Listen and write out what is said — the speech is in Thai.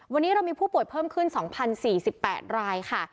วันนี้เรามีผู้ป่วยเพิ่มขึ้น๒๐๔๘รายค่ะ